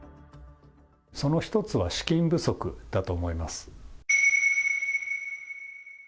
その１つは資金不足だと思います。